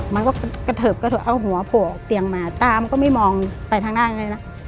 มันก็กระเทิบกระเทิบเอาหัวโผล่ออกเตียงมาตามันก็ไม่มองไปทางด้านเลยนะ